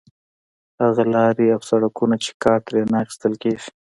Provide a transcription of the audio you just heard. هغه لارې او سړکونه چې کار ترې نه اخیستل کېږي.